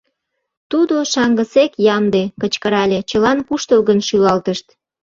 — Тудо шаҥгысек ямде! — кычкырале, чылан куштылгын шӱлалтышт.